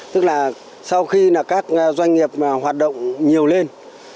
tức là sau khi các doanh nghiệp mà hoạt động nhiều lên